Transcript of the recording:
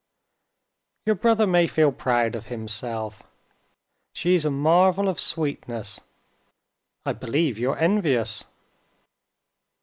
"Your brother may feel proud of himself. She's a marvel of sweetness. I believe you're envious."